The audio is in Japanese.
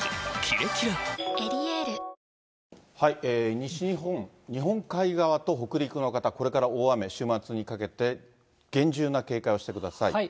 西日本、日本海側と北陸の方、これから大雨、週末にかけて、厳重な警戒をしてください。